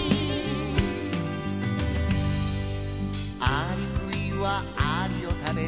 「アリクイはアリを食べる」